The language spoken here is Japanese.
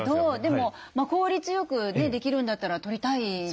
でも効率よくできるんだったらとりたいですもんね。